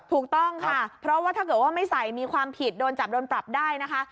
ถูกต้องค่ะเพราะว่าถ้าเกิดว่าไม่ใส่มีความผิดโดนจับโดนปรับได้นะคะ